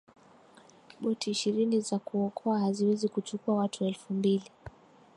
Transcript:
boti ishirini za kuokoa haziwezi kuchukua watu elfu mbili